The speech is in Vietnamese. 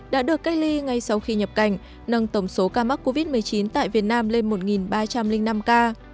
đã được cách ly ngay sau khi nhập cảnh nâng tổng số ca mắc covid một mươi chín tại việt nam lên một ba trăm linh năm ca